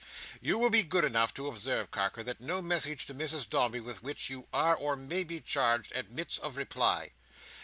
You will be good enough to observe, Carker, that no message to Mrs Dombey with which you are or may be charged, admits of reply.